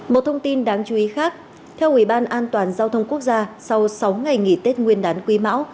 một thông tin đáng chú ý khác theo ủy ban an toàn giao thông quốc gia sau sáu ngày nghỉ tết nguyên đán quý mão